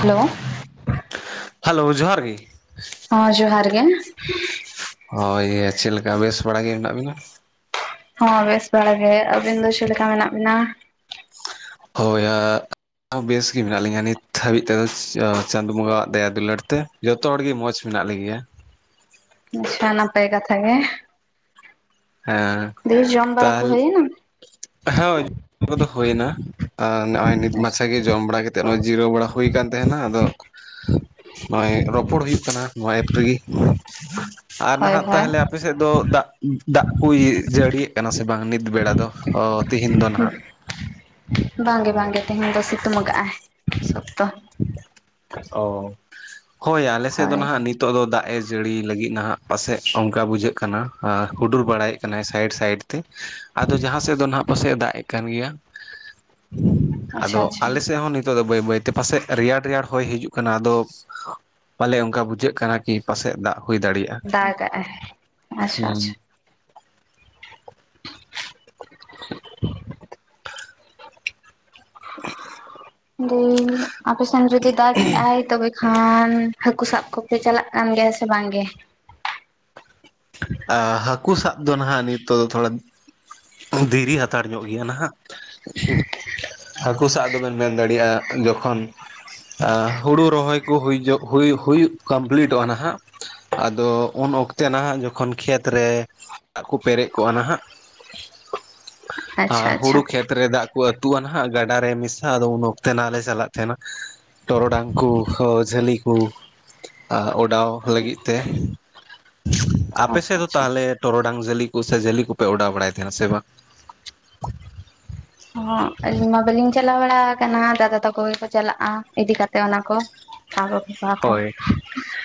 Hello. [inaudible] Hello ᱡᱚᱦᱟᱨ ᱜᱤ ᱾ ᱦᱚᱸ ᱡᱚᱦᱟᱨ ᱜᱮ ᱾ ᱦᱳᱭ ᱤᱭᱟᱹ ᱪᱮᱫ ᱞᱮᱠᱟ ᱵᱮᱥ ᱵᱟᱲᱟ ᱜᱮ ᱢᱮᱱᱟᱜ ᱵᱤᱱᱟ? ᱦᱚᱸ ᱵᱮᱥ ᱵᱟᱲᱟ ᱜᱮ ᱾ ᱟᱹᱵᱤᱱ ᱫᱚ ᱪᱮᱫ ᱞᱮᱠᱟ ᱢᱮᱱᱟᱜ ᱵᱤᱱᱟ? ᱦᱳᱭ ᱟ ᱵᱮᱥ ᱜᱮ ᱢᱮᱱᱟᱜ ᱞᱤᱧᱟᱹ ᱱᱤᱛ ᱦᱟᱹᱵᱤᱡ ᱛᱮᱫᱚ ᱪᱟᱸᱫᱳ ᱵᱚᱸᱜᱟᱣᱟᱜ ᱫᱟᱭᱟ ᱫᱩᱞᱟᱹᱲ ᱛᱮ ᱾ ᱡᱚᱛᱚ ᱦᱚᱲ ᱜᱮ ᱢᱚᱸᱡᱽ ᱢᱮᱱᱟᱜ ᱞᱮ ᱜᱮᱭᱟ ᱾ ᱟᱪᱪᱷᱟ ᱱᱟᱯᱟᱭ ᱠᱟᱛᱷᱟ ᱜᱮ ᱾ ᱦᱮᱸ ᱾ ᱫᱤᱭᱮ ᱡᱚᱢ ᱵᱟᱲᱟ ᱠᱚ ᱦᱩᱭ ᱮᱱᱟ? ᱦᱚᱭ [inaudible] ᱠᱚᱫᱚ ᱦᱩᱭ ᱮᱱᱟ᱾ ᱱᱚᱜ-ᱚᱭ ᱱᱤᱛ ᱢᱟᱪᱷᱟ ᱜᱮ ᱡᱚᱢ ᱵᱟᱲᱟ ᱠᱟᱛᱮᱫ ᱱᱚᱜ-ᱚᱭ ᱡᱤᱨᱟᱹᱣ ᱵᱟᱲᱟ ᱦᱩᱭ ᱠᱟᱱ ᱛᱟᱦᱮᱱᱟ ᱾ ᱟᱫᱚ ᱱᱚᱜ-ᱚᱭ ᱨᱚᱯᱚᱲ ᱦᱩᱭᱩᱜ ᱠᱟᱱᱟ ᱱᱚᱣᱟ ᱮᱯ ᱨᱮᱜᱤ ᱾ ᱟᱨ ᱦᱳᱭ ᱱᱟᱦᱟᱜ ᱦᱳᱭ ᱛᱟᱦᱚᱞᱮ ᱟᱯᱮ ᱥᱮᱫ ᱫᱚ ᱫᱟᱜ ᱫᱟᱜ ᱠᱩᱭ ᱡᱟᱹᱲᱤᱭᱮᱫ ᱠᱟᱱᱟ ᱥᱮ ᱵᱟᱝ ᱱᱤᱛ ᱵᱮᱲᱟ ᱫᱚ ᱚ ᱛᱮᱦᱮᱧ ᱫᱚ ᱱᱟᱦᱟᱜ? ᱵᱟᱝᱜᱮ ᱵᱟᱝᱜᱮ ᱛᱮᱦᱮᱧ ᱫᱚ ᱥᱤᱛᱩᱢ ᱟᱠᱟᱜᱼᱟᱭ ᱥᱚᱠᱛᱚ ᱾ ᱚ ᱾ [inaudible] ᱦᱳᱭ ᱟᱞᱮ ᱥᱮᱫ ᱫᱚ ᱦᱳᱭ ᱱᱟᱦᱟᱜ ᱱᱤᱛ ᱱᱤᱛᱚᱜ ᱫᱚ ᱫᱟᱜ ᱮ ᱡᱟᱹᱲᱤ ᱞᱟᱹᱜᱤᱫ ᱱᱟᱦᱟᱜ ᱯᱟᱥᱮᱡ ᱚᱱᱠᱟ ᱵᱩᱡᱷᱟᱹᱜ ᱠᱟᱱᱟ ᱾ ᱟ ᱦᱩᱰᱩᱨ ᱵᱟᱲᱟᱭᱮᱫ ᱠᱟᱱᱟᱭ ᱥᱟᱭᱤᱰ ᱥᱟᱭᱤᱰ ᱛᱮ ᱾ ᱟᱫᱚ ᱡᱟᱦᱟᱸ ᱥᱮᱫ ᱫᱚ ᱱᱟᱦᱟᱜ ᱯᱟᱥᱮᱡ ᱮ ᱫᱟᱜ ᱮᱫ ᱠᱟᱱ ᱜᱮᱭᱟ ᱾ [inaudible] ᱟᱪᱪᱷᱟ ᱟᱫᱚ ᱟᱪᱪᱷᱟ ᱟᱞᱮ ᱥᱮᱫ ᱦᱚᱸ ᱱᱤᱛᱚᱜ ᱫᱚ ᱵᱟᱹᱭ ᱵᱟᱹᱭᱛᱮ ᱯᱟᱥᱮᱡ ᱨᱮᱭᱟᱲ ᱨᱮᱭᱟᱲ ᱦᱚᱭ ᱦᱤᱡᱩᱜ ᱠᱟᱱᱟ ᱾ ᱟᱫᱚ ᱯᱟᱞᱮ ᱚᱱᱠᱟ ᱵᱩᱡᱷᱟᱹᱜ ᱠᱟᱱᱟ ᱠᱤ ᱯᱟᱥᱮᱫ ᱫᱟᱜ ᱦᱩᱭ ᱫᱟᱲᱮᱭᱟᱜ-ᱟ ᱫᱟᱜᱟᱜᱼᱟᱭ ᱾ [inaudible] ᱟᱪᱪᱷᱟ ᱦᱩᱸ ᱟᱪᱪᱷᱟ ᱾ [inaudible] [inaudible] [inaudible] ᱫᱤᱭᱮ ᱟᱯᱮ ᱥᱮᱱ ᱡᱩᱫᱤ ᱫᱟᱜᱽ ᱮᱫ ᱟᱭ ᱛᱚᱵᱮ ᱠᱷᱟᱱ ᱦᱟᱹᱠᱩ ᱥᱟᱵ ᱠᱚᱯᱮ ᱪᱟᱞᱟᱜ ᱠᱟᱱ ᱜᱮᱭᱟ ᱥᱮ ᱵᱟᱝ ᱜᱮ? ᱟ ᱦᱟᱹᱠᱩ ᱥᱟᱵ ᱫᱚ ᱱᱟᱦᱟᱜ ᱱᱤᱛᱚᱜ ᱫᱚ ᱛᱷᱚᱲᱟ ᱫᱮᱨᱤ ᱦᱟᱛᱟᱲ ᱧᱚᱜ ᱜᱮᱭᱟ ᱱᱟᱦᱟᱜ ᱾ [inaudible] [inaudible] ᱦᱟᱹᱠᱩ ᱥᱟᱵ ᱫᱚᱵᱮᱱ ᱢᱮᱱ ᱫᱟᱲᱮᱭᱟᱜ-ᱟ ᱡᱚᱠᱷᱚᱱ ᱟ ᱦᱩᱲᱩ ᱨᱚᱦᱚᱭ ᱠᱚ ᱦᱩᱭ ᱧᱚᱜ ᱦᱩᱭ ᱦᱩᱭᱩᱜ ᱠᱟᱢᱯᱤᱞᱤᱴᱚᱜ-ᱟ ᱱᱟᱦᱟᱜ ᱟᱫᱚ ᱩᱱ ᱚᱠᱛᱮ ᱱᱟᱦᱟᱜ ᱡᱚᱠᱷᱚᱱ ᱠᱷᱮᱛ ᱨᱮ ᱫᱟᱜ ᱠᱚ ᱯᱮᱨᱮᱡ ᱠᱚᱜ-ᱟ ᱱᱟᱦᱟᱜ ᱾ [inaudible] ᱟᱪᱪᱷᱟ ᱟᱨ ᱟᱪᱪᱷᱟ ᱦᱩᱲᱩ ᱠᱷᱮᱛ ᱨᱮ ᱫᱟᱜ ᱠᱚ ᱟᱹᱛᱩᱜ-ᱟ ᱱᱟᱦᱟᱜ ᱜᱟᱰᱟ ᱨᱮ ᱢᱮᱥᱟᱜ-ᱟ ᱟᱫᱚ ᱩᱱ ᱚᱠᱛᱮ ᱱᱟᱦᱟᱜ ᱞᱮ ᱪᱟᱞᱟᱜ ᱛᱟᱦᱮᱱᱟ ᱾ ᱴᱚᱨᱚᱰᱟᱝ ᱠᱚ [unintelligible] ᱡᱷᱟᱹᱞᱤ ᱠᱚ ᱾ ᱟ ᱚᱰᱟᱣ ᱞᱟᱹᱜᱤᱫ ᱛᱮ ᱾ [inaudible] ᱟᱯᱮ ᱟᱪᱪᱷᱟ ᱥᱮᱫ ᱫᱚ ᱟᱪᱪᱷᱟ ᱛᱟᱦᱚᱞᱮ ᱴᱚᱨᱚᱰᱟᱝ ᱡᱷᱟᱹᱞᱤ ᱠᱚ ᱥᱮ ᱡᱟᱹᱞᱤ ᱠᱚᱯᱮ ᱚᱰᱟᱣ ᱵᱟᱲᱟᱭᱮᱫ ᱛᱟᱦᱮᱱᱟ ᱥᱮ ᱵᱟᱝ? [inaudible] ᱚᱦᱚᱸᱜ ᱟᱹᱞᱤᱧ ᱢᱟ ᱵᱟᱹᱞᱤᱧ ᱪᱟᱞᱟᱣ ᱵᱟᱲᱟ ᱟᱠᱟᱱᱟ ᱫᱟᱫᱟ ᱛᱟᱠᱚ ᱜᱮᱠᱚ ᱪᱟᱞᱟᱜᱼᱟ, ᱤᱫᱤ ᱠᱟᱛᱮ ᱚᱱᱟ ᱠᱚ᱾ ᱥᱟᱵ ᱟᱹᱜᱩ ᱠᱚᱣᱟᱠᱚ ᱦᱳᱭ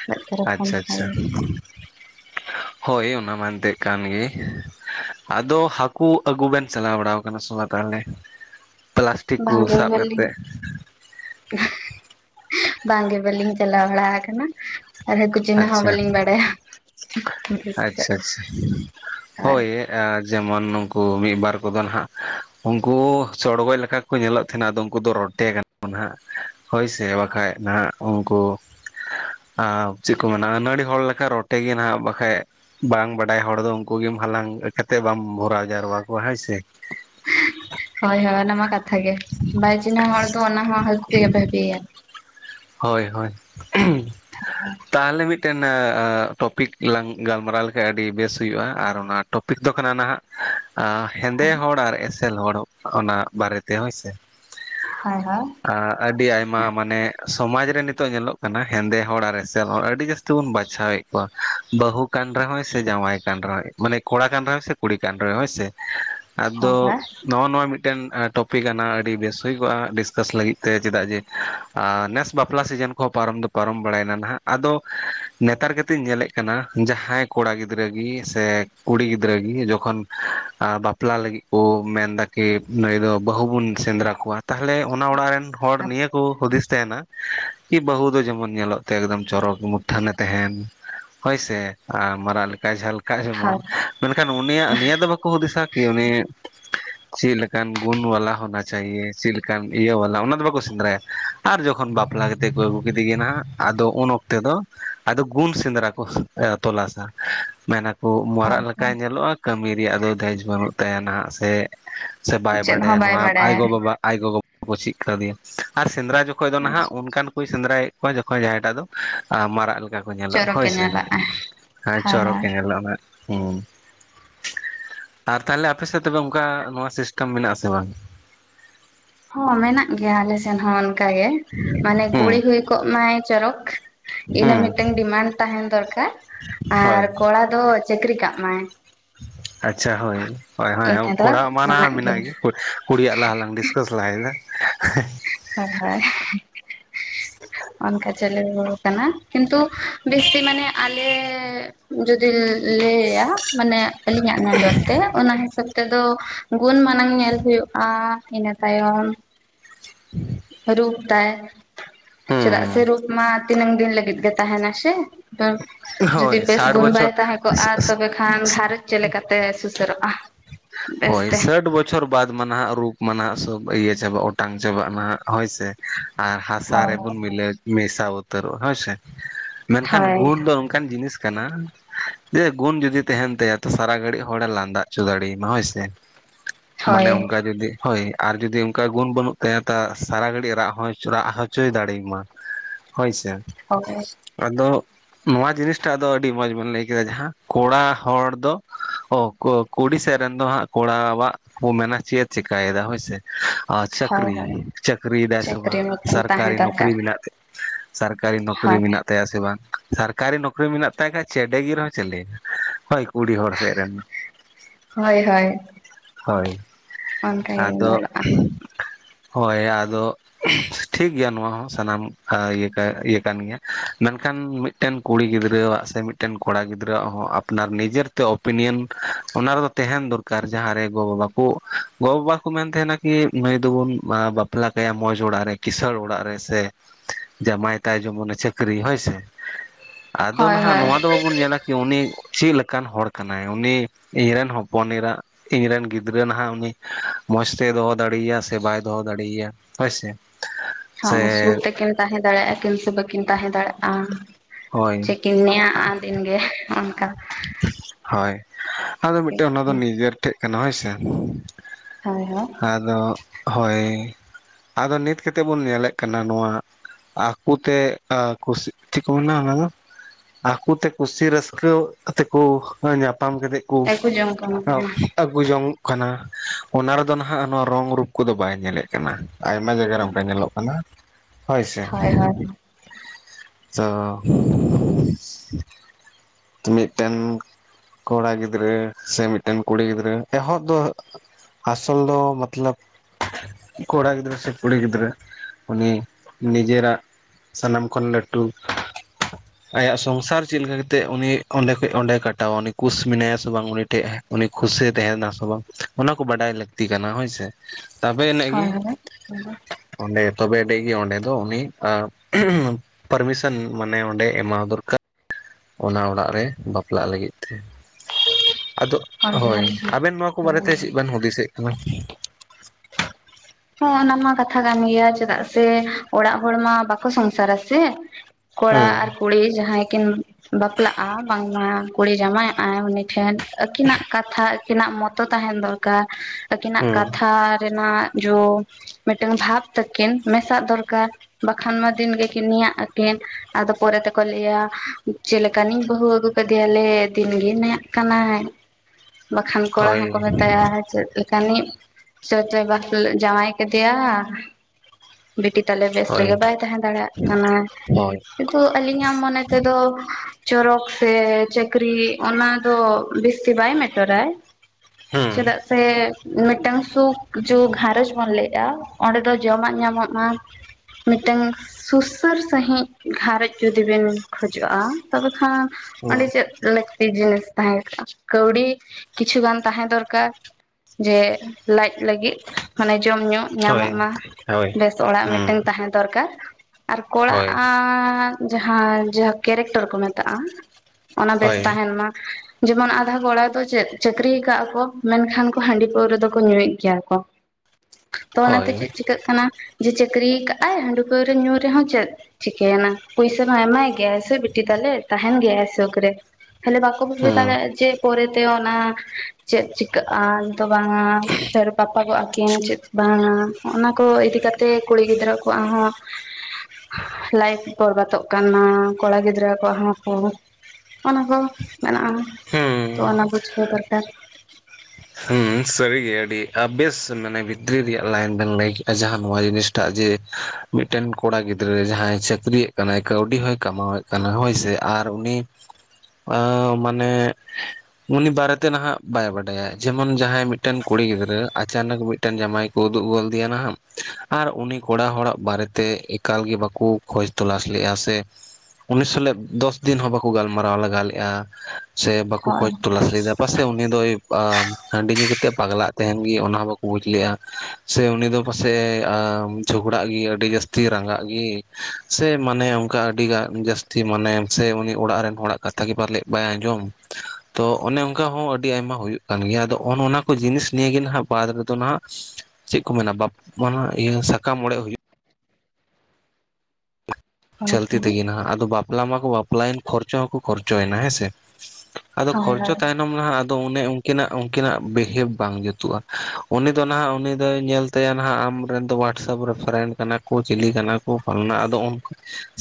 ᱫᱟᱜ ᱠᱚᱨᱮ ᱠᱷᱚᱱ ᱟᱪᱪᱷᱟ ᱦᱳᱭ᱾ ᱟᱪᱪᱷᱟ ᱦᱳᱭ ᱚᱱᱟ ᱢᱟ ᱮᱱᱛᱮᱫ ᱠᱟᱱ ᱜᱮ᱾ ᱟᱫᱚ ᱦᱟᱹᱠᱩ ᱟᱹᱜᱩ ᱵᱮᱱ ᱪᱟᱞᱟᱣ ᱵᱟᱲᱟᱣ ᱠᱟᱱᱟ ᱥᱮ ᱵᱟᱝ ᱛᱟᱦᱚᱞᱮ? ᱯᱞᱟᱥᱴᱤᱠ ᱠᱚ ᱥᱟᱵ ᱠᱟᱛᱮᱫ᱾ ᱵᱟᱝ ᱜᱮ ᱵᱟᱹᱞᱤᱧ ᱪᱟᱞᱟᱣ ᱵᱟᱲᱟ ᱟᱠᱟᱱᱟ᱾ ᱟᱨ ᱦᱟᱠᱩ ᱪᱤᱱᱟᱹ ᱦᱚᱸ ᱟᱪᱪᱷᱟ ᱵᱟᱹᱞᱤᱧ ᱵᱟᱲᱟᱭᱟ᱾ ᱟᱨ ᱟᱨ ᱡᱮᱢᱚᱱ ᱱᱩᱝᱠᱩ ᱢᱤᱫ ᱵᱟᱨ ᱠᱚᱫᱚ ᱱᱟᱦᱟᱜ ᱩᱱᱠᱩ ᱪᱚᱲᱜᱚᱡ ᱞᱮᱠᱟ ᱠᱚ ᱧᱮᱞᱚᱜ ᱛᱟᱦᱮᱱᱟ ᱟᱫᱚ ᱩᱱᱠᱩ ᱫᱚ ᱨᱚᱴᱮ ᱠᱟᱱᱟ ᱠᱚ ᱱᱟᱦᱟᱜ, ᱦᱳᱭ ᱥᱮ ᱵᱟᱠᱷᱟᱡ ᱱᱟᱦᱟᱜ ᱩᱱᱠᱩ ᱟ ᱪᱮᱫ ᱠᱚ ᱢᱮᱱᱟ ᱟᱹᱱᱟᱹᱲᱤ ᱦᱚᱲ ᱞᱮᱠᱟ ᱨᱚᱴᱮ ᱜᱮ ᱱᱟᱦᱱᱟᱜ ᱵᱟᱠᱷᱟᱡ ᱵᱟᱝ ᱵᱟᱰᱟᱭ ᱦᱚᱲ ᱫᱚ ᱩᱱᱠᱩ ᱜᱮᱢ ᱦᱟᱞᱟᱝ ᱠᱟᱛᱮᱫ ᱵᱟᱢ ᱵᱷᱚᱨᱟᱣ ᱡᱟᱨᱣᱟ ᱠᱚᱣᱟ ᱦᱳᱭ ᱥᱮ᱾ ᱦᱳᱭ ᱦᱳᱭ ᱟᱱᱟ ᱢᱟ ᱠᱷᱟᱛᱟ ᱜᱮ, ᱵᱟᱭ ᱪᱤᱱᱦᱟᱹᱣ ᱦᱚᱲ ᱫᱚ ᱚᱱᱟ ᱦᱚᱸ ᱦᱟᱹᱠᱩ ᱜᱮ ᱵᱷᱟᱜᱤᱭᱟ᱾ ᱦᱳᱭ ᱦᱳᱭ, ᱦᱳᱭ ᱛᱟᱦᱚᱞᱮ ᱢᱤᱫ ᱴᱮᱱ ᱴᱚᱯᱤᱠ ᱞᱟᱝ ᱜᱟᱞᱢᱟᱨᱟᱣ ᱞᱮᱠᱷᱟᱡ ᱟᱹᱰᱤ ᱵᱮᱥ ᱦᱩᱭᱩᱜᱼᱟ ᱟᱨ ᱚᱱᱟ ᱴᱚᱯᱤᱠ ᱫᱚ ᱠᱟᱱᱟ ᱱᱟᱦᱟᱜ ᱟ ᱦᱮᱸᱫᱮ ᱦᱳᱭ ᱦᱚᱲ ᱟᱨ ᱮᱥᱮᱞ ᱦᱚᱲ ᱚᱱᱟ ᱵᱟᱨᱮ ᱛᱮ ᱦᱳᱭ ᱥᱮ, ᱦᱳᱭ ᱦᱳᱭ ᱦᱳᱭ ᱟ ᱟᱹᱰᱤ ᱟᱭᱢᱟ ᱢᱟᱱᱮ ᱥᱚᱢᱟᱡ ᱨᱮ ᱱᱤᱛᱚᱜ ᱧᱮᱞᱚᱜ ᱠᱟᱱᱟ ᱦᱮᱸᱫᱮ ᱦᱚᱲ ᱟᱨ ᱮᱥᱮᱞ ᱦᱚᱲ ᱟᱹᱰᱤ ᱡᱟᱹᱥᱛᱤ ᱵᱚᱱ ᱵᱟᱪᱷᱟᱣ ᱮᱫ ᱠᱚᱣᱟ ᱵᱟᱹᱦᱩ ᱠᱟᱱ ᱨᱮᱦᱚᱸᱭ ᱥᱮ ᱡᱟᱶᱟᱭ ᱠᱟᱱ ᱨᱮᱦᱚᱸᱭ ᱢᱟᱱᱮ ᱠᱚᱲᱟ ᱠᱟᱱ ᱨᱮᱦᱚᱸᱭ ᱥᱮ ᱠᱩᱲᱤ ᱠᱟᱱ ᱨᱮᱦᱚᱸ ᱦᱳᱭ ᱥᱮ᱾ ᱟᱫᱚ ᱱᱚᱜᱼᱚ ᱱᱚᱣᱟ ᱢᱤᱫ ᱴᱮᱱ ᱴᱚᱯᱤᱠ ᱟᱱᱟ ᱟᱹᱰᱤ ᱵᱮᱥ ᱦᱩᱭ ᱠᱚᱜ-ᱟ ᱰᱤᱥᱠᱟᱥ ᱞᱟᱹᱜᱤᱫ ᱛᱮ ᱪᱮᱫᱟᱜ ᱡᱮ ᱟ ᱱᱮᱥ ᱵᱟᱯᱞᱟ ᱥᱤᱡᱤᱱ ᱠᱚᱦᱚᱸ ᱯᱟᱨᱚᱢ ᱫᱚ ᱯᱟᱨᱚᱢ ᱵᱟᱲᱟᱭᱮᱱᱟ ᱱᱟᱦᱟᱜ ᱟᱫᱚ ᱱᱮᱛᱟᱨ ᱠᱟᱛᱤᱧ ᱧᱮᱞᱮᱫ ᱠᱟᱱᱟ ᱡᱟᱦᱟᱸᱭ ᱠᱚᱲᱟ ᱜᱤᱫᱽᱨᱟᱹᱜ ᱜᱤ ᱥᱮ ᱠᱩᱲᱤ ᱜᱤᱫᱽᱨᱟᱹᱜ ᱜᱤ ᱡᱚᱠᱷᱚᱱ ᱵᱟᱯᱞᱟ ᱞᱟᱹᱜᱤᱫ ᱠᱚ ᱢᱮᱱᱫᱟ ᱠᱤ ᱱᱩᱭ ᱫᱚ ᱵᱟᱹᱦᱩ ᱵᱩᱱ ᱥᱮᱸᱫᱽᱨᱟ ᱠᱚᱣᱟ᱾ ᱛᱟᱦᱚᱞᱮ ᱚᱱᱟ ᱚᱲᱟᱜ ᱨᱮᱱ ᱦᱚᱲ ᱱᱤᱭᱟᱹ ᱠᱚ ᱦᱩᱫᱤᱥ ᱛᱟᱦᱮᱱᱟ ᱠᱤ ᱵᱟᱹᱦᱩ ᱫᱚ ᱡᱮᱢᱚᱱ ᱧᱮᱞᱚᱜ ᱛᱮ ᱮᱠᱫᱚᱢ ᱪᱚᱨᱚᱠ ᱢᱩᱴᱷᱟᱹᱱᱮ ᱛᱟᱦᱮᱱ ᱦᱳᱭ ᱥᱮ ᱟᱨ ᱢᱟᱨᱟᱜ ᱞᱮᱠᱟᱭ ᱡᱷᱟᱞ ᱠᱟᱜ ᱡᱮᱢᱚᱱ, ᱢᱮᱱᱠᱷᱟᱱ ᱩᱱᱤᱭᱟᱜ ᱱᱤᱭᱟᱹ ᱫᱚ ᱵᱟᱠᱚ ᱦᱩᱫᱤᱥᱟ ᱠᱤ ᱩᱱᱤ ᱪᱮᱫ ᱞᱮᱠᱟᱱ ᱜᱩᱱ ᱵᱟᱞᱟ ᱦᱳᱱᱟ ᱪᱟᱭᱭᱮ ᱪᱮᱫ ᱞᱮᱠᱟᱱ ᱤᱭᱟᱹ ᱵᱟᱞᱟ ᱚᱱᱟ ᱫᱚ ᱵᱟᱠᱚ ᱥᱮᱸᱫᱽᱨᱟᱭᱟ᱾ ᱟᱨ ᱡᱚᱠᱷᱚᱱ ᱵᱟᱯᱞᱟ ᱠᱟᱛᱮ ᱠᱚ ᱟᱹᱜᱩ ᱠᱮᱫᱮᱭᱟ ᱱᱟᱦᱟᱜ ᱟᱫᱚ ᱩᱱ ᱚᱠᱛᱮ ᱫᱚ ᱟᱫᱚ ᱜᱩᱱ ᱥᱮᱸᱫᱽᱨᱟ ᱠᱚ ᱮ ᱛᱚᱞᱟᱥᱟ ᱢᱮᱱᱟ ᱠᱚ ᱢᱟᱨᱟᱜ ᱦᱳᱭ ᱞᱮᱠᱟᱭ ᱧᱮᱞᱚᱜ-ᱟ ᱠᱟᱹᱢᱤ ᱨᱮᱭᱟᱜ ᱫᱚ ᱫᱮᱡ ᱵᱟᱹᱱᱩᱜ ᱛᱟᱭᱟ ᱱᱟᱦᱟᱜ ᱥᱮ, ᱥᱮ ᱵᱟᱭ ᱪᱮᱫ ᱵᱟᱰᱟᱭᱟ ᱦᱚᱸ ᱵᱟᱭ ᱱᱚᱣᱟ ᱟᱭ ᱵᱟᱲᱟᱭᱟ ᱜᱚ ᱵᱟᱵᱟ ᱟᱭ ᱜᱚ ᱵᱟᱵᱟ [inaudible] ᱪᱮᱫ ᱠᱟᱣᱫᱮᱭᱟ ᱟᱨ ᱥᱮᱸᱫᱽᱨᱟ ᱡᱚ ᱠᱷᱚᱡ ᱫᱚ ᱱᱟᱦᱟᱜ ᱚᱱᱠᱟᱱ ᱠᱚᱭ ᱥᱮᱸᱫᱽᱨᱟᱭᱮᱫ ᱠᱚᱣᱟ ᱡᱚᱠᱷᱚᱱ ᱡᱟᱦᱟᱸᱭ ᱴᱟᱜ ᱫᱚ ᱟ ᱢᱟᱨᱟᱜ ᱞᱮᱠᱟ ᱠᱚ ᱧᱮᱞᱚᱜ ᱪᱚᱨᱚᱠᱮ ᱦᱳᱭ ᱥᱮ, ᱧᱮᱞᱟᱜᱼᱟ ᱦᱮᱸ ᱦᱳᱭ ᱦᱳᱭ ᱪᱚᱨᱚᱠᱮ ᱧᱮᱞᱚᱜ-ᱟ ᱱᱟᱜ ᱦᱩᱸ᱾ ᱟᱨ ᱛᱟᱦᱚᱞᱮ ᱟᱯᱮ ᱥᱮᱫ ᱛᱚᱵᱮ ᱚᱱᱠᱟ ᱱᱚᱣᱟ ᱥᱤᱥᱴᱮᱢ ᱢᱮᱱᱟᱜ-ᱟ ᱥᱮ ᱵᱟᱝ? ᱦᱚᱸ ᱢᱮᱱᱟᱜ ᱜᱮᱭᱟ ᱟᱞᱮ ᱥᱮᱱ ᱦᱚᱸ ᱚᱱᱠᱟ ᱜᱮ ᱢᱟᱱᱮ ᱦᱩᱸ ᱠᱩᱲᱤ ᱦᱩᱭ ᱠᱚᱜ ᱢᱟᱭ ᱪᱚᱨᱚᱠ᱾ ᱤᱱᱟᱹ ᱦᱩᱸ ᱢᱤᱫᱴᱟᱝ ᱰᱤᱢᱟᱱᱰ ᱛᱟᱦᱮᱱ ᱫᱚᱨᱠᱟᱨ ᱟᱨ ᱦᱳᱭ ᱠᱚᱲᱟ ᱫᱚ ᱪᱟᱹᱠᱨᱤ ᱠᱟᱜ ᱢᱟᱭ᱾ ᱟᱪᱪᱷᱟ ᱦᱳᱭ, ᱦᱳᱭ ᱤᱱᱟᱹ ᱦᱳᱭ ᱫᱚ ᱠᱚᱲᱟᱣᱟᱜ ᱢᱟ ᱱᱟᱦᱟᱜ ᱜᱮᱭᱟ ᱢᱮᱱᱟᱜ ᱜᱮ᱾ ᱠᱩᱲᱤᱭᱟᱜ ᱞᱟᱦᱟ ᱞᱟᱝ ᱰᱤᱥᱠᱟᱥ ᱞᱟᱦᱟᱭᱮᱫᱟ᱾ ᱦᱳᱭ ᱦᱳᱭ᱾ ᱚᱱᱠᱟ ᱪᱟᱹᱞᱩ ᱠᱟᱱᱟ ᱠᱤᱱᱛᱩ ᱵᱮᱥᱤ ᱢᱟᱱᱮ ᱟᱞᱮ ᱡᱩᱫᱤ ᱞᱟᱹᱭᱟ ᱢᱟᱱᱮ ᱟᱹᱞᱤᱧᱟᱜ ᱱᱚᱡᱚᱨ ᱛᱮ, ᱚᱱᱟ ᱦᱤᱥᱟᱹᱵ ᱛᱮᱫᱚ ᱜᱩᱱ ᱢᱟᱱᱟᱝ ᱧᱮᱞ ᱦᱩᱭᱩᱜ-ᱟ ᱤᱱᱟᱹ ᱛᱟᱭᱚᱢ [inaudible] ᱨᱩᱯ ᱛᱟᱭ, ᱦᱩᱸ ᱪᱮᱫᱟᱜ ᱦᱩᱸ ᱥᱮ ᱨᱩᱯ ᱢᱟ ᱛᱤᱱᱟᱹᱝ ᱫᱤᱱ ᱞᱟᱹᱜᱤᱫ ᱜᱮ ᱛᱟᱦᱮᱱᱟ ᱥᱮ᱾ ᱛᱚ ᱡᱩᱫᱤ ᱦᱳᱭ ᱵᱮᱥ ᱥᱟᱴ ᱜᱩᱱ ᱵᱚᱪᱷᱚᱨ ᱵᱟᱭ ᱛᱟᱦᱮᱸ ᱠᱚᱜ-ᱟ, ᱛᱚᱵᱮ ᱠᱷᱟᱱ ᱜᱷᱟᱨᱚᱸᱡᱽ ᱪᱮᱫ ᱞᱮᱠᱟᱛᱮ ᱥᱩᱥᱟᱹᱨᱚᱜ-ᱟ᱾ ᱵᱮᱥ ᱦᱳᱭ ᱛᱮ᱾ ᱥᱟᱴ ᱵᱚᱪᱷᱚᱨ ᱵᱟᱫ ᱢᱟ ᱱᱟᱦᱟᱜ ᱨᱩᱯ ᱢᱟ, ᱱᱟᱦᱟᱜ ᱥᱚᱵ ᱤᱭᱟᱹ ᱪᱟᱵᱟᱜ ᱚᱴᱟᱝ ᱪᱟᱵᱟᱜ-ᱟ, ᱱᱟᱦᱟᱜ ᱦᱳᱭᱥᱮ ᱟᱨ ᱦᱟᱥᱟ ᱦᱳᱭ ᱨᱮᱵᱚᱱ ᱢᱤᱞᱟᱹ ᱢᱮᱥᱟ, ᱩᱛᱟᱹᱨᱚᱜ ᱦᱮᱸᱥᱮ ᱢᱮᱱᱠᱷᱟᱱ ᱦᱳᱭ ᱜᱩᱱ ᱫᱚ ᱚᱱᱠᱟᱱ ᱡᱤᱱᱤᱥ ᱠᱟᱱᱟ ᱡᱮ ᱜᱩᱱ ᱡᱩᱫᱤ ᱛᱟᱦᱮᱱ ᱛᱟᱭᱟ, ᱛᱚ ᱥᱟᱨᱟ ᱜᱷᱟᱹᱲᱤᱡ ᱦᱚᱲ ᱮ ᱞᱟᱸᱫᱟ ᱦᱚᱪᱚ ᱫᱟᱲᱮᱭᱟᱢᱟ, ᱦᱳᱭ ᱥᱮ᱾ [inaudible] [inaudible] ᱢᱟᱱᱮ ᱚᱱᱠᱟ ᱡᱩᱫᱤ ᱦᱳᱭ ᱟᱨ ᱡᱩᱫᱤ ᱚᱱᱠᱟ ᱜᱩᱱ ᱵᱟᱹᱱᱩᱜ ᱛᱟᱭᱟ ᱛᱚ, ᱥᱟᱨᱟ ᱜᱷᱟᱹᱲᱤᱡ ᱨᱟᱜ ᱦᱚᱸᱭ ᱪᱚ ᱨᱟᱜ ᱦᱚᱪᱚᱭ ᱫᱟᱲᱮᱭᱟᱢᱟ᱾ ᱦᱳᱭ ᱥᱮ᱾ ᱳᱦ [unintelligible] ᱟᱫᱚ ᱱᱚᱣᱟ ᱡᱤᱱᱤᱥᱴᱟᱜ ᱫᱚ ᱟᱹᱰᱤ ᱢᱚᱸᱡᱽ ᱵᱮᱱ ᱞᱟᱹᱭ ᱠᱮᱫᱟ, ᱡᱟᱦᱟᱸ ᱠᱚᱲᱟ ᱦᱚᱲ ᱫᱚ ᱦᱚᱠᱚ ᱠᱩᱲᱤ ᱥᱮᱫ ᱨᱮᱱ ᱫᱚ ᱦᱟᱸᱜ ᱠᱚᱲᱟᱣᱟᱜ ᱠᱚ ᱢᱮᱱᱟ, ᱪᱮᱫ ᱮ ᱪᱮᱠᱟᱭᱮᱫᱟ ᱦᱳᱭᱥᱮ᱾ ᱟᱨ ᱦᱳᱭ ᱪᱟᱹᱠᱨᱤ, ᱦᱳᱭ ᱪᱟᱹᱠᱨᱤ ᱫᱟᱭ ᱥᱮ ᱪᱟᱹᱠᱨᱤ ᱵᱟᱝ ᱢᱤᱫᱴᱟᱝ ᱛᱟᱦᱮᱸ ᱥᱟᱨᱠᱟᱨᱤ ᱫᱚᱨᱠᱟᱨ ᱱᱚᱠᱨᱤ ᱢᱮᱱᱟᱜ ᱛᱮ ᱥᱟᱨᱠᱟᱨᱤ ᱱᱚᱠᱨᱤ ᱦᱳᱭ ᱢᱮᱱᱟᱜ ᱛᱟᱭᱟ ᱥᱮ ᱵᱟᱝ? ᱥᱟᱨᱠᱟᱨᱤ ᱱᱚᱠᱨᱤ ᱢᱮᱱᱟᱜ ᱛᱟᱭ ᱠᱷᱟᱡ, ᱪᱮᱰᱮ ᱜᱮ ᱨᱮᱦᱚᱸ ᱪᱟᱹᱞᱮᱭᱟ ᱦᱳᱭ᱾ ᱠᱩᱲᱤ ᱦᱚᱲ ᱥᱮᱫ ᱨᱮᱱ ᱦᱳᱭ ᱦᱳᱭ ᱦᱳᱭ᱾ ᱚᱱᱠᱟ ᱜᱮ ᱟᱫᱚ ᱧᱮᱞᱚᱜᱼᱟ ᱦᱳᱭ ᱟᱫᱚ ᱴᱷᱤᱠᱜᱮᱭᱟ ᱱᱚᱣᱟ ᱦᱚᱸ ᱥᱟᱱᱟᱢ ᱤᱭᱟᱹ ᱠᱟ ᱤᱭᱟᱹ ᱠᱟᱱ ᱜᱮᱭᱟ, ᱢᱮᱱᱠᱷᱟᱱ ᱢᱤᱫᱴᱮᱱ ᱠᱩᱲᱤ ᱜᱤᱫᱽᱨᱟᱹᱣᱟᱜ ᱥᱮ ᱢᱤᱫᱴᱮᱱ ᱠᱩᱲᱤ ᱜᱤᱫᱨᱟᱹᱜ ᱥᱮ, ᱢᱤᱫᱴᱮᱱ ᱠᱚᱲᱟ ᱜᱤᱫᱽᱨᱟᱹᱣᱟᱜ ᱦᱚᱸ ᱟᱯᱱᱟᱨ ᱱᱤᱡᱮᱨ ᱛᱮ ᱚᱯᱤᱱᱤᱭᱚᱱ ᱚᱱᱟ ᱨᱮ ᱫᱚ ᱛᱟᱦᱮᱱ ᱫᱚᱨᱠᱟᱨ ᱡᱟᱦᱟᱸ ᱨᱮ, ᱜᱚ ᱵᱟᱵᱟ ᱠᱚ ᱜᱚ ᱵᱟᱵᱟ ᱠᱚ ᱢᱮᱱ ᱛᱟᱦᱮᱱᱟ ᱠᱤ ᱢᱟᱹᱭ ᱫᱚᱵᱚᱱ ᱵᱟ ᱵᱟᱯᱞᱟ ᱠᱟᱭᱟ ᱢᱚᱸᱡᱽ ᱚᱲᱟᱜ ᱨᱮ, ᱠᱤᱥᱟᱹᱲ ᱚᱲᱟᱜ ᱨᱮ ᱥᱮ, ᱡᱟᱢᱟᱭ ᱛᱟᱭ ᱡᱮᱢᱚᱱᱮ ᱪᱟᱹᱠᱨᱤ ᱦᱳᱭ ᱥᱮ᱾ ᱟᱫᱚ ᱦᱳᱭ ᱱᱟᱦᱟᱸᱜ ᱦᱳᱭ ᱱᱚᱣᱟ ᱫᱚ ᱵᱟᱵᱚᱱ ᱧᱮᱞᱟ ᱡᱮ ᱩᱱᱤ ᱪᱮᱫ ᱞᱮᱠᱟᱱ ᱦᱚᱲ ᱠᱟᱱᱟᱭ, ᱩᱱᱤ ᱤᱧ ᱨᱮᱱ ᱦᱚᱯᱚᱱ ᱮᱨᱟ ᱤᱧ ᱨᱮᱱ ᱜᱤᱫᱽᱨᱟᱹ ᱱᱟᱦᱟᱸᱜ ᱩᱱᱤ ᱢᱚᱸᱡᱽ ᱛᱮ ᱫᱚᱦᱚ ᱫᱟᱲᱮᱭᱼᱭᱟ, ᱥᱮ ᱵᱟᱭ ᱫᱚᱦᱚ ᱫᱟᱲᱮᱭᱼᱭᱟ ᱦᱳᱭᱥᱮ᱾ ᱦᱚᱸ ᱥᱩᱠ ᱛᱮᱠᱤᱱ ᱛᱟᱦᱮᱸ ᱫᱟᱲᱮᱭᱟᱜᱼᱟ, ᱠᱤᱱ ᱥᱮ ᱵᱟᱹᱠᱤᱱ ᱛᱟᱦᱮᱸ ᱫᱟᱲᱮᱭᱟᱜᱼᱟ᱾ ᱦᱳᱭ ᱪᱮᱠᱤᱱ ᱱᱮᱭᱟᱜᱼᱟ, ᱫᱤᱱ ᱜᱮ ᱚᱱᱠᱟ᱾ ᱦᱳᱭ ᱟᱫᱚ ᱢᱤᱫᱴᱮᱱ ᱚᱱᱟ ᱫᱚ, ᱱᱤᱡᱮᱨ ᱴᱷᱮᱡ ᱠᱟᱱᱟ ᱦᱳᱭ ᱥᱮ᱾ ᱦᱳᱭ, ᱦᱳᱭ᱾ ᱟᱫᱚ ᱦᱳᱭ, ᱟᱫᱚ ᱱᱤᱛ ᱠᱟᱛᱮᱫ ᱵᱚᱱ ᱧᱮᱞᱮᱫ ᱠᱟᱱᱟ ᱱᱚᱣᱟ ᱟᱠᱚ ᱛᱮ ᱠᱩᱥᱤ ᱪᱮᱫ ᱠᱚ ᱢᱮᱱᱟ ᱚᱱᱟ ᱫᱚ, ᱟᱠᱚ ᱛᱮ ᱠᱩᱥᱤ ᱨᱟᱹᱥ ᱠᱟᱹᱣ ᱠᱟᱛᱮᱫ ᱠᱚ ᱧᱟᱯᱟᱢ ᱠᱟᱛᱮᱜ ᱠᱚ ᱮᱠᱩ ᱡᱚᱝ ᱠᱟᱱᱟ ᱦᱳᱭ ᱟᱜᱩ ᱡᱚᱝ ᱠᱟᱱᱟ, ᱚᱱᱟ ᱨᱮ ᱫᱚ ᱱᱟᱦᱟᱜ ᱱᱚᱣᱟ ᱨᱚᱝ ᱨᱩᱯ ᱠᱚ ᱫᱚ ᱵᱟᱭ ᱧᱮᱞᱮᱫ ᱠᱟᱱᱟ, ᱟᱭᱢᱟ ᱡᱟᱭᱜᱟ ᱨᱮ ᱚᱱᱠᱟ ᱧᱮᱞᱚᱜ ᱠᱟᱱᱟ ᱦᱳᱭ ᱥᱮ᱾ ᱛᱚ ᱢᱤᱫᱴᱮᱱ ᱠᱚᱲᱟ ᱜᱤᱫᱽᱨᱟᱹ, ᱥᱮ ᱢᱤᱫᱴᱮᱱ ᱠᱩᱲᱤ ᱜᱤᱫᱽᱨᱟᱹ ᱮᱦᱚᱵ ᱫᱚ ᱟᱥᱚᱞ ᱫᱚ ᱢᱚᱛᱞᱟᱵ ᱠᱚᱲᱟ ᱜᱤᱫᱨᱟᱹ ᱥᱮ ᱠᱩᱲᱤ ᱜᱤᱫᱨᱟᱹ, ᱩᱱᱤ ᱱᱤᱡᱮᱨᱟᱜ ᱥᱟᱱᱟᱢ ᱠᱷᱚᱱ ᱞᱟᱹᱴᱩ, ᱟᱭᱟᱜ ᱥᱚᱝᱥᱟᱨ ᱪᱮᱫ ᱞᱮᱠᱟ ᱠᱟᱛᱮᱜ, ᱩᱱᱤ ᱚᱸᱰᱮ ᱠᱷᱚᱡ ᱚᱸᱰᱮᱭ ᱠᱟᱴᱟᱣᱟ, ᱩᱱᱤ ᱠᱩᱥ ᱢᱮᱱᱟᱭᱟ ᱥᱮ ᱵᱟᱝ ᱩᱱᱤ ᱴᱷᱮᱡ, ᱩᱱᱤ ᱠᱷᱩᱥ ᱛᱟᱦᱮᱱᱟ ᱥᱮ ᱵᱟᱝ ᱚᱱᱟ ᱠᱚ ᱵᱟᱰᱟᱭ ᱞᱟᱹᱠ ᱞᱟᱹᱠᱛᱤ ᱠᱟᱱᱟ ᱦᱳᱭᱥᱮ, ᱛᱚᱵᱮ ᱟᱹᱱᱟᱹᱜ ᱜᱮ ᱦᱳᱭ ᱦᱳᱭ ᱚᱸᱰᱮ ᱛᱚᱵᱮ ᱟᱱᱤᱧ ᱚᱸᱰᱮ ᱫᱚ ᱩᱱᱤ ᱟᱜ ᱯᱟᱨᱢᱤᱥᱚᱱ ᱢᱟᱱᱮ ᱚᱸᱰᱮ ᱮᱢᱟᱣ ᱫᱚᱨᱠᱟᱨ, ᱚᱱᱟ ᱚᱲᱟᱜ ᱨᱮ ᱵᱟᱯᱞᱟᱜ ᱞᱟᱹᱜᱤᱫ ᱛᱮ᱾ ᱟᱫᱚ ᱦᱳᱭ ᱟᱵᱮᱱ ᱱᱚᱣᱟ ᱠᱚ ᱦᱮᱸ ᱵᱟᱨᱮᱛᱮ, ᱪᱮᱫ ᱵᱮᱱ ᱦᱩᱫᱤᱥᱮᱫ ᱠᱟᱱᱟ? ᱦᱚᱸ ᱚᱱᱟ ᱢᱟ ᱠᱟᱛᱷᱟ ᱠᱟᱱ ᱜᱮᱭᱟ ᱪᱮᱫᱟᱜ ᱥᱮ ᱚᱲᱟᱜ ᱦᱚᱲ ᱢᱟ ᱵᱟᱠᱚ ᱥᱚᱝᱥᱟᱨᱟ ᱥᱮ? ᱠᱚᱲᱟ ᱦᱮᱸ ᱟᱨ ᱠᱩᱲᱤ ᱡᱟᱦᱟᱸᱭ ᱠᱤᱱ, ᱵᱟᱯᱞᱟᱜᱼᱟ ᱵᱟᱝ ᱢᱟ ᱠᱩᱲᱤ ᱡᱟᱶᱟᱭᱚᱜᱼᱟᱭ ᱩᱱᱤ ᱴᱷᱮᱱ ᱟᱹᱠᱤᱱᱟᱜ ᱠᱟᱛᱷᱟ, ᱟᱠᱤᱱᱟᱜ ᱢᱚᱛᱚ ᱛᱟᱦᱮᱱ ᱫᱚᱨᱠᱟᱨ ᱟᱠᱤᱱᱟᱜ ᱦᱮᱸ ᱠᱟᱛᱷᱟ ᱨᱮᱱᱟᱜ ᱡᱚ, ᱢᱤᱫᱴᱟᱱ ᱵᱷᱟᱵᱽ ᱛᱟᱹᱠᱤᱱ ᱢᱮᱥᱟᱜ ᱫᱚᱨᱠᱟᱨ, ᱵᱟᱠᱷᱟᱱ ᱢᱟ ᱫᱤᱱ ᱜᱮ ᱠᱤᱱ ᱱᱮᱭᱟᱜ ᱟᱹᱠᱤᱱ ᱟᱫᱚ ᱯᱚᱨᱮ ᱛᱮ ᱠᱚ ᱞᱟᱹᱭᱟ ᱪᱮᱫ ᱞᱮᱠᱟᱱᱤᱧ ᱵᱟᱹᱦᱩ ᱟᱹᱜᱩ ᱠᱮᱫᱮᱭᱟᱞᱮ ᱫᱤᱱ ᱜᱮ ᱱᱮᱭᱟᱜ ᱠᱟᱱᱟᱭ ᱵᱟᱠᱷᱟᱱ ᱠᱚᱲᱟ ᱦᱳᱭ ᱦᱚᱸᱠᱚ ᱢᱮᱛᱟᱭᱟ ᱪᱮᱫ, [inaudible] ᱡᱟᱣᱟᱭ ᱠᱮᱫᱮᱭᱟ, ᱵᱤᱴᱤ ᱛᱟᱞᱮ ᱵᱮᱥ ᱦᱳᱭ ᱨᱮᱜᱮ ᱵᱟᱭ ᱛᱟᱦᱮᱸ ᱫᱟᱲᱮᱭᱟᱜ ᱠᱟᱱᱟ ᱦᱳᱭ ᱾ ᱛᱳ ᱟᱹᱞᱤᱧᱟᱜ ᱢᱚᱱᱮ ᱛᱮ ᱫᱚ, ᱪᱚᱨᱚᱠ ᱥᱮ ᱪᱟᱹᱠᱨᱤ ᱚᱱᱟ ᱫᱚ [inaudible] ᱛᱚᱨᱟᱭ ᱦᱮᱸ ᱪᱮᱫᱟᱜ ᱥᱮ, ᱢᱤᱫᱴᱟᱝ ᱥᱩᱠ ᱡᱩᱜᱽ ᱜᱷᱟᱨᱚᱸᱡᱽ ᱵᱚᱱ ᱞᱟᱹᱭ ᱮᱜᱼᱟ ᱚᱸᱰᱮ ᱫᱚ ᱡᱚᱢᱟᱜ ᱧᱟᱢᱚᱜᱼᱢᱟ, ᱢᱤᱫ ᱴᱟᱝ ᱥᱩᱥᱟᱹᱨ ᱥᱟᱺᱦᱤᱡ ᱜᱷᱟᱨᱚᱸᱡᱽ ᱡᱩᱫᱤ ᱵᱤᱱ ᱠᱷᱚᱡᱚᱜᱼᱟ ᱛᱚᱵᱮ ᱠᱷᱟᱱ, ᱦᱮᱸ ᱚᱸᱰᱮ ᱪᱮᱫ ᱞᱟᱹᱠᱛᱤ ᱡᱤᱱᱤᱥ ᱛᱟᱦᱮᱸ ᱠᱟᱹᱣᱰᱤ, ᱠᱤᱪᱷᱩ ᱜᱟᱱ ᱛᱟᱦᱮᱸ ᱫᱚᱨᱠᱟᱨ ᱡᱮ ᱞᱟᱡ ᱞᱟᱹᱜᱤᱫ, ᱢᱟᱱᱮ ᱡᱚᱢ ᱧᱩ ᱦᱳᱭ ᱧᱟᱢᱚᱜ ᱢᱟ ᱦᱳᱭ ᱵᱮᱥ ᱚᱲᱟᱜ ᱦᱩᱸ ᱢᱤᱫᱴᱟᱝ ᱛᱟᱦᱮᱸ ᱫᱚᱨᱠᱟᱨ, ᱟᱨ ᱦᱳᱭ ᱠᱚᱲᱟ-ᱟᱜ ᱡᱟᱦᱟᱸ ᱡᱟᱦᱟᱸ ᱠᱮᱨᱮᱠᱴᱚᱨ ᱠᱚ ᱢᱮᱛᱟᱜᱼᱟ, ᱚᱱᱟ ᱵᱮᱥ ᱦᱳᱭ ᱛᱟᱦᱮᱱ ᱢᱟ, ᱡᱮᱢᱚᱱ ᱟᱫᱷᱟ ᱜᱚᱲᱟ ᱛᱚ ᱪᱮᱫ ᱪᱟᱹᱠᱨᱤ ᱟᱠᱟᱫᱼᱟ ᱠᱚ ᱢᱮᱱᱠᱷᱟᱱ ᱠᱚ ᱦᱟᱺᱰᱤ ᱯᱟᱹᱣᱨᱟᱹ ᱫᱚᱠᱚ ᱧᱩᱭᱮᱫ ᱜᱮᱭᱟ ᱠᱚ ᱾ ᱛᱚ ᱚᱱᱟ ᱛᱮ ᱦᱳᱭ ᱪᱮᱫ ᱪᱤᱠᱟᱹᱜ ᱠᱟᱱᱟ ᱡᱮ ᱪᱟᱹᱠᱨᱤ ᱠᱟᱜᱼ ᱟᱭ ᱦᱟᱺᱰᱤ ᱯᱟᱹᱣᱨᱟᱹ ᱧᱩᱨ ᱨᱮᱦᱚᱸ ᱪᱮᱫ? ᱪᱤᱠᱟᱹᱭᱮᱱᱟ, ᱯᱩᱭᱥᱟ ᱢᱟ ᱮᱢᱟᱭ ᱜᱮᱭᱟ ᱥᱮ ᱵᱤᱴᱤ ᱛᱟᱞᱮ ᱛᱟᱦᱮᱱ ᱜᱮᱭᱟ ᱥᱩᱠ ᱨᱮ, ᱛᱟᱦᱚᱞᱮ ᱵᱟᱠᱚ ᱵᱩᱡᱟᱹᱣ ᱦᱩᱸ ᱫᱟᱲᱮᱭᱟᱜᱼᱟ ᱡᱮ ᱯᱚᱨᱮ ᱛᱮ ᱚᱱᱟ ᱪᱮᱫ ᱪᱤᱠᱟᱹᱜᱼᱟ ᱫᱚ ᱵᱟᱝᱟ, ᱯᱮᱨᱮ ᱯᱟᱯᱟᱜᱚᱜ-ᱟ ᱟᱹᱠᱤᱱ ᱪᱮᱫ ᱵᱟᱝᱟ ᱚᱱᱟ ᱠᱚ ᱤᱫᱤ ᱠᱟᱛᱮ ᱠᱩᱲᱤ ᱜᱤᱫᱽᱨᱟᱹ ᱠᱚᱣᱟᱜ ᱦᱚᱸ ᱞᱟᱭᱤᱯᱷ ᱵᱚᱨᱵᱟᱫᱚᱜ ᱠᱟᱱᱟ ᱠᱚᱲᱟ ᱜᱤᱫᱽᱨᱟᱹ ᱠᱚᱣᱟᱜ ᱦᱚᱸ, ᱚᱱᱟ ᱫᱚ ᱢᱮᱱᱟᱜᱼᱟ, ᱛᱚ ᱦᱩᱸ ᱚᱱᱟ ᱵᱩᱡᱷᱟᱹᱣ ᱫᱚᱨᱠᱟᱨ, ᱦᱩᱸ ᱥᱟᱹᱨᱤ ᱜᱮ ᱟᱹᱰᱤ ᱵᱮᱥ ᱢᱟᱱᱮ ᱵᱷᱤᱛᱨᱤ ᱨᱮᱭᱟᱜ ᱞᱟᱭᱤᱱ ᱵᱮᱱ ᱞᱟᱹᱭ ᱠᱮᱜᱼᱟ ᱡᱟᱦᱟᱸ ᱱᱚᱣᱟ ᱡᱤᱱᱤᱥᱴᱟᱜ ᱡᱮ, ᱢᱤᱫ ᱴᱮᱱ ᱠᱚᱲᱟ ᱜᱤᱫᱽᱨᱟᱹ ᱡᱟᱦᱟᱸ ᱪᱟᱹᱠᱨᱤᱭᱮᱜ ᱠᱟᱱᱟᱭ ᱠᱟᱹᱣᱰᱤ ᱦᱚᱭ ᱠᱟᱢᱟᱣᱮᱜ ᱠᱟᱱᱟ ᱦᱳᱭ ᱥᱮ ᱟᱨ ᱩᱱᱤ ᱢᱟᱱᱮ ᱩᱱᱤ ᱵᱟᱨᱮ ᱛᱮ ᱱᱟᱦᱟᱜ ᱵᱟᱭ ᱵᱟᱰᱟᱭᱟ ᱡᱮ ᱡᱮᱢᱚᱱ ᱡᱟᱦᱟᱸᱭ ᱢᱤᱫ ᱴᱮᱱ ᱠᱩᱲᱤ ᱜᱤᱫᱽᱨᱟᱹ ᱟᱪᱟᱠ ᱢᱤᱫ ᱴᱮᱱ ᱡᱟᱢᱟᱭ ᱠᱚ ᱩᱫᱩᱜ ᱜᱚᱫ ᱟᱫᱮᱭᱟ ᱱᱟᱦᱟᱜ, ᱟᱨ ᱩᱱᱤ ᱠᱚᱲᱟ ᱦᱚᱲᱟᱜ ᱵᱟᱨᱮ ᱛᱮ ᱮᱠᱟᱞ ᱜᱮ ᱵᱟᱠᱚ ᱠᱷᱚᱡᱽ ᱛᱚᱞᱟᱥ ᱞᱮᱜᱼᱟ ᱥᱮ, ᱩᱱᱤ ᱥᱟᱞᱮ ᱫᱚᱥ ᱫᱤᱱ ᱦᱚᱸ ᱵᱟᱠᱚ ᱜᱟᱞᱢᱟᱨᱟᱣ ᱞᱟᱜᱟ ᱞᱮᱫᱼᱟ, ᱥᱮ ᱵᱟᱠᱚ ᱦᱳᱭ ᱠᱷᱚᱡᱽ ᱛᱚᱞᱟᱥ ᱞᱮᱫᱟ ᱯᱟᱥᱮ ᱩᱱᱤ ᱫᱚᱭ, ᱦᱟᱺᱰᱤ ᱧᱩ ᱠᱟᱛᱮᱫ ᱯᱟᱜᱽᱞᱟᱜ ᱛᱟᱦᱮᱱ ᱜᱮ ᱚᱱᱟ ᱦᱚᱸ ᱵᱟᱠᱚ ᱵᱩᱡᱽᱞᱮᱜᱼᱟ ᱥᱮ ᱩᱱᱤ ᱫᱚ ᱯᱟᱥᱮ ᱡᱷᱚᱜᱽᱲᱟᱜ ᱜᱮ ᱟᱹᱰᱤ ᱡᱟᱹᱥᱛᱤ ᱨᱟᱸᱜᱟᱜ ᱜᱮ ᱥᱮ ᱢᱟᱱᱮ ᱚᱱᱠᱟ ᱟᱹᱰᱤ ᱜᱟ ᱡᱟᱹᱥᱛᱤ, ᱛᱤ ᱢᱟᱱᱮ ᱥᱮ ᱩᱱᱤ ᱚᱲᱟᱜ ᱨᱮᱱ ᱦᱚᱲᱟᱜ ᱠᱟᱛᱷᱟ ᱜᱮ ᱯᱟᱞᱮᱫ ᱵᱟᱭ ᱟᱸᱡᱚᱢ ᱛᱚ ᱚᱱᱮ ᱚᱱᱠᱟ ᱦᱚᱸ ᱟᱹᱰᱤ ᱟᱭᱢᱟ ᱦᱩᱭᱩᱜ ᱠᱟᱱᱟ ᱠᱟᱱ ᱜᱮᱭᱟ ᱟᱫᱚ ᱚᱱᱟ ᱠᱚ ᱡᱤᱱᱤᱥ ᱱᱤᱭᱮ ᱜᱮ ᱱᱟᱦᱟᱜ ᱵᱟᱫᱽ ᱨᱮᱫᱚ ᱦᱟᱱᱟᱜ ᱪᱮᱫ ᱠᱚ ᱢᱮᱱᱟ ᱵᱟᱯ ᱢᱟᱱᱟ ᱤᱭᱟᱹ ᱥᱟᱠᱟᱢ ᱚᱲᱮᱡ ᱦᱩᱭᱩᱜ, ᱦᱳᱭ ᱪᱟᱞᱛᱤ ᱦᱳᱭ ᱛᱮᱜᱮ ᱱᱟᱟᱜ ᱟᱫᱚ ᱵᱟᱯᱞᱟ ᱢᱟᱠᱚ ᱵᱟᱯᱞᱟᱭᱮᱱ ᱠᱷᱚᱨᱪᱚ ᱦᱚᱸᱠᱚ ᱠᱷᱚᱨᱪᱚᱭᱮᱱᱟ ᱦᱮᱸ ᱥᱮ, ᱟᱫᱚ ᱦᱳᱭ ᱦᱳᱭ ᱠᱷᱚᱨᱪᱚ ᱦᱳᱭ ᱛᱟᱭᱱᱚᱢ, ᱱᱟᱦᱟᱜ ᱟᱫᱚ ᱚᱱᱮ ᱩᱱᱠᱤᱱᱟᱜ ᱩᱱᱠᱤᱱᱟᱜ ᱵᱤᱦᱮᱵᱽ ᱵᱟᱝ ᱡᱩᱛᱩᱜᱼᱟ ᱩᱱᱤ ᱫᱚ ᱱᱟᱦᱟᱜ ᱩᱱᱤ ᱫᱚᱭ ᱧᱮᱞ ᱛᱮ ᱱᱟᱦᱟᱜ ᱟᱢᱨᱮᱱ ᱫᱚ ᱳᱣᱟᱴᱥᱮᱯ ᱨᱮ ᱯᱷᱨᱮᱱᱰ ᱠᱟᱱᱟ ᱠᱚ ᱪᱮᱞᱮ ᱠᱟᱱᱟ ᱠᱚ ᱯᱟᱞᱱᱟ ᱟᱫᱚ ᱩᱱ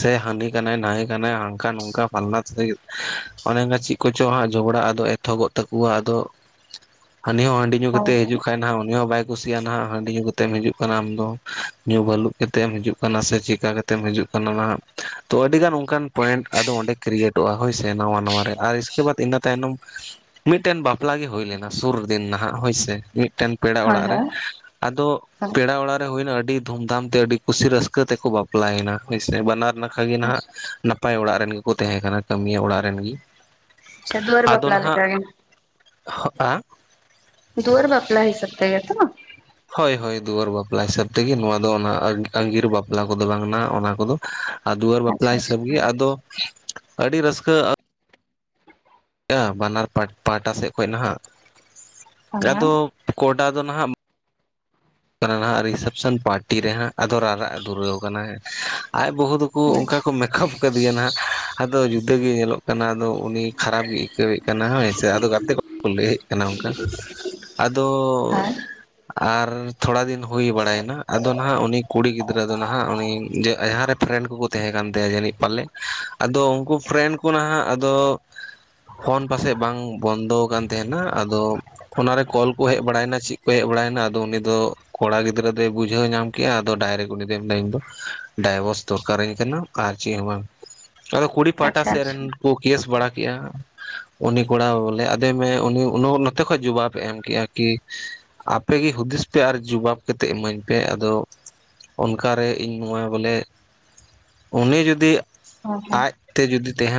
ᱥᱮ ᱦᱟᱹᱱᱤ ᱠᱟᱱᱟᱭ ᱱᱟᱹᱭ ᱠᱟᱱᱟᱭ ᱦᱟᱝᱠᱟ ᱱᱚᱝᱠᱟ ᱯᱷᱟᱱᱟ ᱥᱮ ᱚᱱᱮ ᱚᱝᱠᱟ ᱪᱮᱫ ᱠᱚᱪᱚ ᱦᱟᱸᱜ ᱡᱷᱚᱜᱽᱲᱟ ᱟᱫᱚ ᱮᱛᱚᱦᱚᱵᱚᱜ ᱛᱟᱠᱚᱣᱟ ᱟᱫᱚ ᱦᱟᱱᱤ ᱦᱚᱸ ᱦᱟᱺᱰᱤ, ᱧᱩ ᱦᱳᱭ ᱦᱳᱭ ᱠᱟᱛᱮᱫ ᱦᱤᱡᱩᱜ ᱠᱷᱟᱡ ᱦᱟᱜ ᱩᱱᱤ ᱦᱚᱸ ᱵᱟᱭ ᱠᱩᱥᱤᱭᱟᱜᱼᱟ ᱱᱟᱦᱟᱜ ᱦᱟᱺᱰᱤ ᱧᱩ ᱠᱟᱛᱮᱢ ᱦᱤᱡᱩᱜ ᱠᱟᱱᱟ ᱟᱢ ᱫᱚ ᱧᱩ ᱵᱟᱹᱞᱩᱜ ᱠᱟᱛᱮ ᱮᱢ ᱦᱤᱡᱩᱜ ᱠᱟᱱᱟ ᱥᱮ ᱪᱤᱠᱟ ᱠᱟᱛᱮᱢ ᱦᱤᱡᱩᱜ ᱚᱱᱟ ᱛᱚ ᱟᱹᱰᱤᱜᱟᱱ ᱚᱱᱠᱟᱱ ᱯᱚᱭᱮᱱᱴ ᱟᱫᱚ ᱚᱸᱰᱮ ᱠᱨᱤᱭᱮᱴᱚᱜᱼᱟ ᱦᱳᱭᱥᱮ ᱱᱟᱣᱟ ᱱᱟᱣᱟ ᱨᱮ ᱟᱨ ᱤᱥᱠᱮ ᱵᱟᱫᱽ ᱤᱱᱟᱹ ᱛᱟᱭᱱᱚᱢ ᱢᱤᱫ ᱴᱮᱱ ᱵᱟᱯᱞᱟ ᱜᱮ ᱦᱩᱭ ᱞᱮᱱᱟ ᱥᱩᱨ ᱫᱤᱱ ᱱᱟᱦᱟᱜ ᱦᱳᱭᱥᱮ, ᱢᱤᱫ ᱴᱮᱱ ᱯᱮᱲᱟ ᱦᱳᱭ ᱚᱲᱟᱜ ᱨᱮ, ᱦᱳᱭ ᱟᱫᱚ ᱦᱳᱭ ᱦᱳᱭ ᱯᱮᱲᱟ ᱚᱲᱟᱜ ᱨᱮ ᱦᱩᱭᱱᱟ ᱟᱹᱰᱤ ᱫᱷᱩᱢ ᱫᱷᱟᱢ ᱛᱮ ᱟᱹᱰᱤ ᱠᱩᱥᱤ ᱨᱟᱹᱥᱠᱟᱹ ᱛᱮᱠᱚ ᱵᱟᱯᱞᱟᱭᱮᱱᱟ ᱦᱭᱥᱮ, ᱵᱟᱱᱟᱨ ᱱᱟᱠᱷᱟ ᱜᱮ ᱱᱟᱦᱟᱜ ᱦᱳᱭ ᱱᱟᱯ ᱱᱟᱯᱟᱭ ᱚᱲᱟᱜ ᱨᱮᱱ ᱜᱮᱠᱚ ᱛᱟᱸᱦᱮ ᱠᱟᱱᱟ ᱠᱟᱹᱢᱤᱭᱟᱹ ᱚᱲᱟᱜ ᱨᱮᱱ ᱜᱮ, ᱟᱪᱪᱷᱟ ᱫᱩᱣᱟᱹᱨ ᱟᱫᱚ ᱵᱟᱯᱞᱟ ᱱᱟᱦᱟᱜ ᱞᱮᱠᱟ ᱜᱮ ᱦᱚᱜᱼᱟ ᱫᱩᱣᱟᱨ ᱵᱟᱯᱞᱟ ᱦᱤᱥᱟᱹᱵ ᱛᱮᱜᱮ ᱛᱚ ᱵᱟᱝ? ᱦᱳᱭ ᱦᱳᱭ ᱫᱩᱣᱟᱹᱨ ᱵᱟᱯᱞᱟ ᱦᱤᱥᱟᱹᱵ ᱛᱮᱜᱮ, ᱱᱚᱣᱟ ᱫᱚ ᱚᱱᱟ ᱟᱜᱤᱨ ᱵᱟᱯᱞᱟ ᱠᱚᱫᱚ ᱵᱟᱝ ᱠᱟᱱᱟ ᱚᱱᱟ ᱠᱚᱫᱚ᱾ ᱟ ᱫᱩᱣᱟᱹᱨ ᱵᱟᱯᱞᱟ ᱟᱪᱪᱷᱟ ᱦᱤᱥᱟᱹᱵ ᱜᱮ ᱟᱪᱪᱷᱟ ᱟᱫᱚ ᱟᱹᱰᱤ ᱨᱟᱹᱥᱠᱟᱹ ᱵᱟᱱᱟᱨ ᱯᱟᱴ ᱯᱟᱦᱴᱟ ᱥᱮᱫ ᱠᱷᱚᱡ ᱱᱟᱦᱟᱜ, ᱦᱮᱸ ᱦᱮᱸ ᱟᱫᱚ ᱠᱚᱰᱟ ᱫᱚ ᱱᱟᱦᱟᱜ ᱠᱟᱱᱟ ᱱᱟᱜ ᱨᱤᱥᱮᱯᱥᱚᱱ ᱯᱟᱨᱴᱤ ᱨᱮᱦᱟᱸᱜ ᱟᱫᱚ ᱨᱟᱨᱟᱜ ᱮ ᱫᱷᱩᱨᱟᱹᱣ ᱟᱠᱟᱱᱟ ᱦᱮᱸ, ᱟᱡ ᱵᱟᱹᱦᱩ ᱫᱚᱠᱚ ᱚᱱᱠᱟ ᱠᱚ ᱢᱮᱠᱟᱯ ᱢᱮᱞᱟᱳ ᱠᱟᱫᱤᱭᱟ ᱱᱟᱦᱟᱜ, ᱟᱫᱚ ᱡᱩᱫᱟᱹ ᱜᱮ ᱧᱮᱞᱚᱜ ᱠᱟᱱᱟ ᱟᱫᱚ ᱩᱱᱤ ᱠᱷᱟᱨᱟᱯ ᱜᱮᱭ ᱟᱹᱤᱠᱟᱹᱣᱮᱫ ᱠᱟᱱᱟ ᱦᱳ ᱥᱮ ᱟᱫᱚ ᱜᱟᱛᱮ ᱠᱚ ᱠᱚ ᱞᱟᱹᱭᱮᱫ ᱠᱟᱱᱟ ᱚᱱᱠᱟ, ᱟᱫᱚ ᱟᱨ ᱛᱷᱚᱲᱟ ᱫᱤᱱ ᱦᱩᱭ ᱵᱟᱲᱟᱭᱮᱱᱟ ᱟᱫᱚ ᱱᱟᱦᱟᱜ ᱩᱱᱤ ᱠᱩᱲᱤ ᱜᱤᱫᱽ ᱜᱤᱫᱽᱨᱟᱹ ᱫᱚ ᱱᱟᱦᱟᱜ ᱩᱱᱤ ᱡᱮ ᱟ‌ ᱡᱟᱦᱟᱸ ᱨᱮ ᱯᱷᱨᱮᱱᱰ ᱠᱚᱠᱚ ᱛᱟᱦᱮᱸ ᱠᱟᱱ ᱛᱟᱭᱟ ᱡᱟᱹᱱᱤᱡ ᱯᱟᱞᱮ ᱟᱫᱚ ᱩᱱᱠᱩ ᱯᱷᱨᱮᱱᱰ ᱠᱩ ᱱᱟᱦᱟᱸᱜ ᱟᱫᱚ ᱯᱷᱳᱱ ᱯᱟᱥᱮᱡ ᱵᱟᱝ ᱵᱚᱱᱫᱚᱣ ᱠᱟᱱ ᱛᱟᱦᱮᱱᱟ ᱟᱫᱚ ᱚᱱᱟ ᱨᱮ ᱠᱚᱞ ᱠᱚ ᱦᱮᱡ ᱵᱟᱲᱟᱭᱱᱟ ᱪᱤᱜ ᱠᱚ ᱦᱮᱡ ᱵᱟᱲᱟᱭᱱᱟ ᱟᱫᱚ ᱩᱱᱤ ᱫᱚ ᱠᱚᱲᱟ ᱜᱤᱫᱽᱨᱟᱹ ᱫᱚᱭ ᱵᱩᱡᱷᱟᱹᱣ ᱧᱟᱢ ᱠᱮᱜ-ᱟ ᱟᱫᱚ ᱰᱟᱭᱨᱮᱠᱴ ᱩᱱᱤ ᱫᱚᱭ ᱢᱮᱱ ᱫᱟ ᱤᱧ ᱫᱚ ᱰᱟᱭᱵᱚᱨᱥ ᱫᱚᱨᱠᱟᱨᱟᱹᱧ ᱠᱟᱱᱟ᱾ ᱟᱨ ᱪᱮᱜ ᱦᱚᱸ ᱵᱟᱝ ᱟᱫᱚ ᱠᱩᱲᱤ ᱯᱟᱦᱴᱟ ᱟᱪᱪᱷᱟ ᱥᱮᱜ ᱟᱪᱪᱷᱟ ᱨᱮᱱ ᱠᱚ ᱠᱮᱥ ᱵᱟᱲᱟ ᱠᱮᱜ-ᱟ᱾ ᱩᱱᱤ ᱠᱚᱲᱟ ᱵᱚᱞᱮ ᱟᱫᱮᱭ ᱢᱮᱭ ᱩᱱᱤᱭ ᱚᱱᱚ ᱱᱚᱛᱮ ᱠᱷᱚᱡ ᱡᱩᱵᱟᱯ‌ᱮ ᱮᱢ ᱠᱮᱜᱼᱟ ᱠᱤ ᱟᱯᱮ ᱜᱮ ᱦᱩᱫᱤᱥ ᱯᱮ ᱟᱨ ᱡᱩᱵᱟᱵᱽ ᱠᱟᱛᱮᱜ ᱤᱢᱟᱹᱧ ᱯᱮ, ᱟᱫᱚ ᱚᱱᱠᱟ ᱨᱮ ᱤᱧ ᱱᱚᱣᱟ ᱵᱚᱞᱮ ᱩᱱᱤ ᱡᱩᱫᱤ ᱦᱮᱸ ᱦᱮᱸ ᱟᱡ ᱛᱮ ᱡᱩᱫᱤ ᱛᱟᱸᱦᱮ